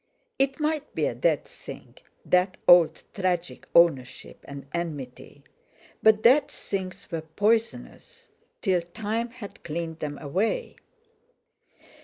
It might be a dead thing, that old tragic ownership and enmity, but dead things were poisonous till time had cleaned them away.